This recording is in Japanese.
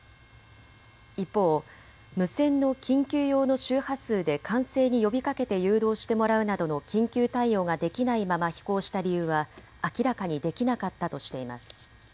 一方、無線の緊急用の周波数で管制に呼びかけて誘導してもらうなどの緊急対応ができないまま飛行した理由は明らかにできなかったとしています。